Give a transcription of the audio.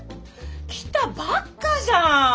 来たばっかじゃん！